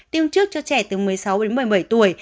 tiêm trước cho trẻ từ một mươi sáu đến một mươi bảy tuổi